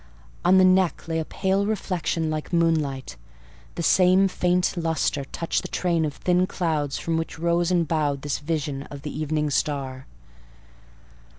On the neck lay a pale reflection like moonlight; the same faint lustre touched the train of thin clouds from which rose and bowed this vision of the Evening Star.